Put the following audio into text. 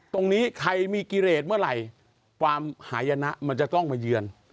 ตรงนี้ใครมีกิเรทเมื่อไหร่ความหายนะมันจะต้องมาเยือน